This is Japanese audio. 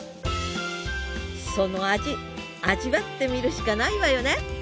その味味わってみるしかないわよね！